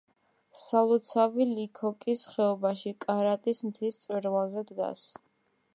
სალოცავი ლიქოკის ხეობაში, კარატის მთის მწვერვალზე დგას.